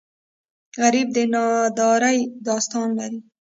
غریب د نادارۍ داستان لري